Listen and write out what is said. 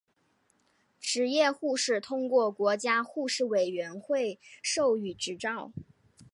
执业护士通过国家护士委员会授予执照。